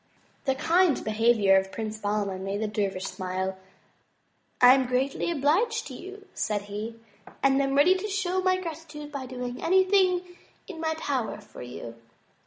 The kind behavior of Prince Bahman made the dervish smile. "I am greatly obliged to you," said he, and am ready to show my gratitude by doing anything in my power for you."